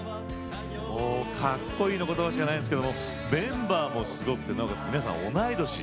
もうかっこいいの言葉しかないですけどもメンバーもすごくて皆さん同い年。